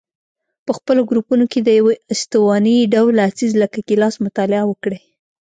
په خپلو ګروپونو کې د یوه استواني ډوله څیز لکه ګیلاس مطالعه وکړئ.